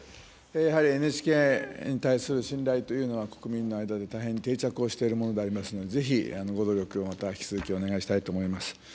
やはりＮＨＫに対する信頼というのは、国民の間で大変定着をしているものでありますので、ぜひご努力をまた引き続きお願いしたいと思います。